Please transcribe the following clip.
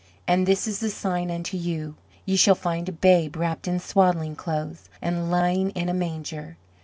And this is the sign unto you; ye shall find a babe wrapped in swaddling clothes, and lying in a manger.